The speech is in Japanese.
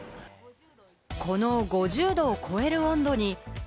この５０度を超える温度に。